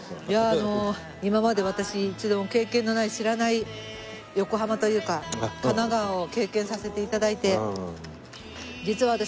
いやあの今まで私一度も経験のない知らない横浜というか神奈川を経験させて頂いて。